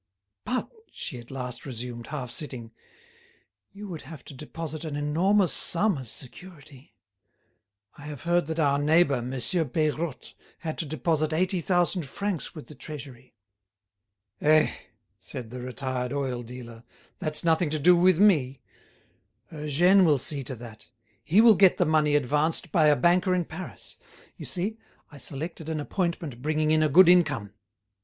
"But," she at last resumed, half sitting, "you would have to deposit an enormous sum as security. I have heard that our neighbour, Monsieur Peirotte, had to deposit eighty thousand francs with the Treasury." "Eh!" said the retired oil dealer, "that's nothing to do with me; Eugène will see to that. He will get the money advanced by a banker in Paris. You see, I selected an appointment bringing in a good income.